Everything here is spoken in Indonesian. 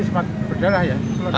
sempat berdarah ya